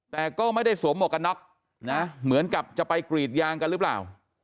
แต่ก็ไม่ได้สวมหมวกกันน็อกนะเหมือนกับจะไปกรีดยางกันหรือเปล่า